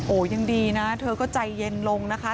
โอ้โหยังดีนะเธอก็ใจเย็นลงนะคะ